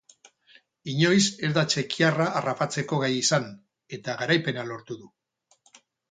Inor ez da txekiarra harrapatzeko gai izan eta garaipena lortu du.